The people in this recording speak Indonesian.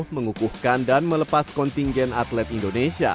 mengukuhkan dan melepas kontingen atlet indonesia